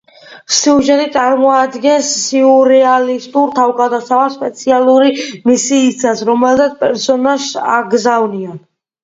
სიუჟეტი წარმოადგენს სიურეალისტურ თავგადასავალს სპეციალური მისიისას, რომელზეც პერსონაჟს აგზავნიან.